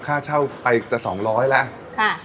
ค่าเช่าไปจะ๒๐๐แล้ว